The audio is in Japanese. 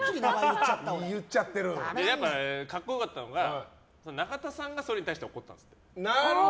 やっぱ、格好良かったのが中田さんがそれに対して怒ったんですって。